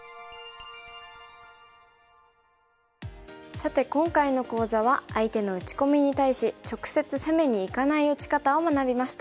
さて今回の講座は相手の打ち込みに対し直接攻めにいかない打ち方を学びました。